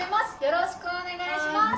よろしくお願いします。